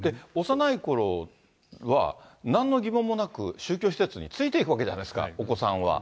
幼いころは、なんの疑問もなく宗教施設についていくわけじゃないですか、お子さんは。